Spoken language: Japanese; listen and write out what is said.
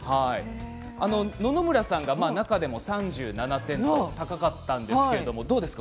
野々村さんが中でも３７点と高かったんですけれどどうですか？